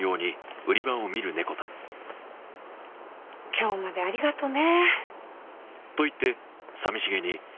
今日までありがとね